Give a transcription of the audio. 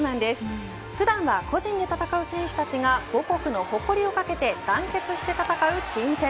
普段は個人で戦う選手たちが母国の誇りを懸けて団結して戦うチーム戦。